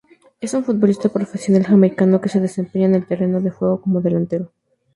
Es un futbolista profesional jamaiquino, Se desempeña en el terreno de juego como delantero.